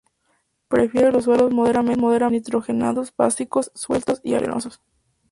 Prefiere los suelos moderadamente nitrogenados, básicos, sueltos y arenosos.